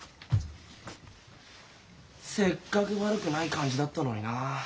せっかく悪くない感じだったのにな。